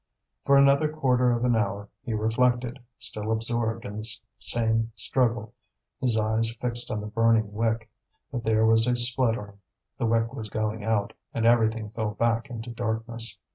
For another quarter of an hour he reflected, still absorbed in the same struggle, his eyes fixed on the burning wick. But there was a spluttering, the wick was going out, and everything fell back into darkness.